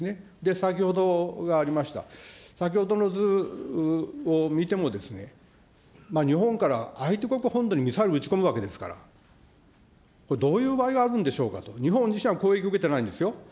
先ほどがありました、先ほどの図を見ても、日本から相手国本土にミサイル撃ち込むわけですから、これどういう場合があるんでしょうかと、日本自身は攻撃受けてないんですよ。